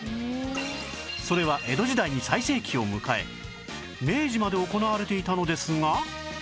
それは江戸時代に最盛期を迎え明治まで行われていたのですが